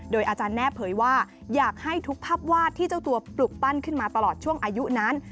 อาจารย์แน่เผยว่าอยากให้ทุกภาพวาดที่เจ้าตัวปลุกปั้นขึ้นมาตลอดช่วงอายุนั้น